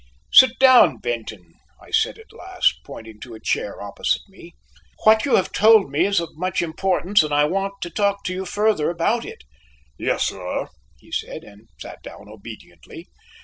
"Sit down, Benton," I said at last, pointing to a chair opposite me; "what you have told me is of much importance, and I want to talk to you further about it." "Yes, sir," he said, and sat down obediently.